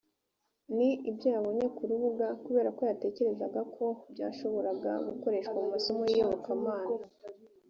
n ibyo yabonye ku rubuga kubera ko yatekerezaga ko byashoboraga gukoreshwa mu masomo y iyobokamana